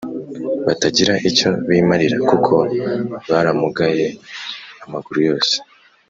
batagira icyo bimarira kuko baramugaye amaguru yose